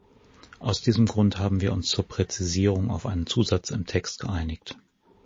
Aus diesem Grunde haben wir uns zur Präzisierung auf einen Zusatz im Text geeinigt.